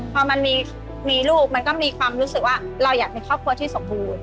พอมันมีลูกมันก็มีความรู้สึกว่าเราอยากมีครอบครัวที่สมบูรณ์